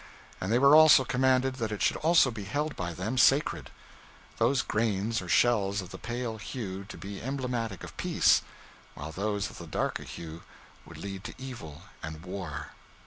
And they were also commanded that it should also be held by them sacred; those grains or shells of the pale hue to be emblematic of peace, while those of the darker hue would lead to evil and war.